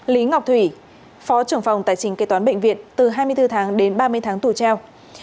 lý ngọc thủy phó trưởng phòng tài trình kế toán bệnh viện từ hai mươi bốn tháng đến ba mươi tháng tù treo